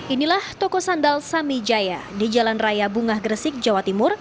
inilah toko sandal samijaya di jalan raya bungah gresik jawa timur